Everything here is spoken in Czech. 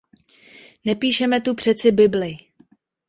Nepíšeme tu přeci Bibli.